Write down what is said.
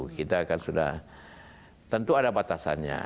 kita kan sudah tentu ada batasannya